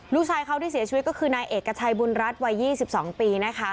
ลูกชายเขาที่เสียชีวิตก็คือนายเอกชัยบุญรัฐวัย๒๒ปีนะคะ